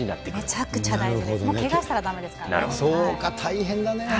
めちゃくちゃ大事、けがしたそうか、大変だね。